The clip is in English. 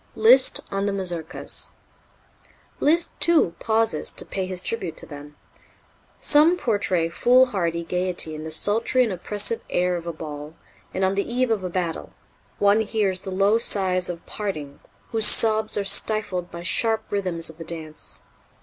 Liszt on the Mazurkas. Liszt, too, pauses to pay his tribute to them: "Some portray foolhardy gaiety in the sultry and oppressive air of a ball, and on the eve of a battle; one hears the low sighs of parting, whose sobs are stifled by sharp rhythms of the dance.